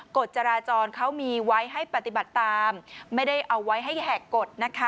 กฎจราจรเขามีไว้ให้ปฏิบัติตามไม่ได้เอาไว้ให้แหกกฎนะคะ